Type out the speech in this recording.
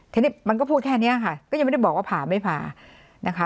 ทีนี้มันก็พูดแค่นี้ค่ะก็ยังไม่ได้บอกว่าผ่าไม่ผ่านะคะ